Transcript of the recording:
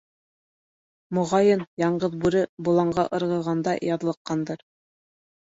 Моғайын, Яңғыҙ Бүре боланға ырғығанда яҙлыҡҡандыр.